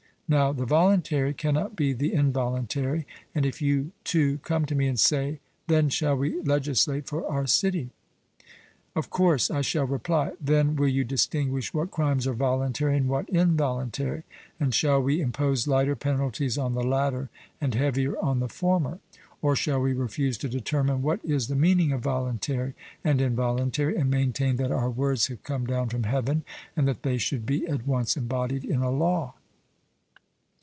Now the voluntary cannot be the involuntary; and if you two come to me and say, 'Then shall we legislate for our city?' Of course, I shall reply. 'Then will you distinguish what crimes are voluntary and what involuntary, and shall we impose lighter penalties on the latter, and heavier on the former? Or shall we refuse to determine what is the meaning of voluntary and involuntary, and maintain that our words have come down from heaven, and that they should be at once embodied in a law?'